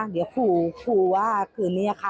ใช่ค่ะ